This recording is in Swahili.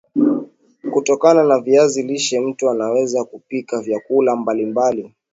kutokana na viazi lishe mtu anaweza kupika vyakula mbali mbali